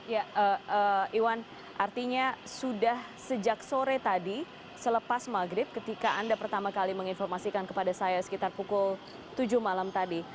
ya iwan artinya sudah sejak sore tadi selepas maghrib ketika anda pertama kali menginformasikan kepada saya sekitar pukul tujuh malam tadi